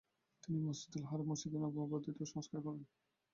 তিনি মসজিদুল হারাম ও মসজিদে নববী বর্ধিত ও সংস্কার করেন।